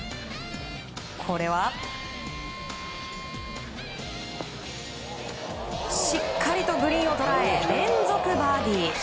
これはしっかりとグリーンを捉え連続バーディー。